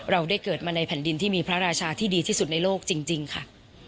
เราได้เกิดมาในแผ่นดินที่มีพระราชาที่ดีที่สุดในโลกจริงค่ะ